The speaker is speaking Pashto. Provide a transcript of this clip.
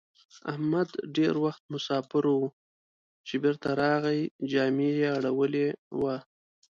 احمد ډېر وخت مساپر وو؛ چې بېرته راغی جامه يې اړولې وه.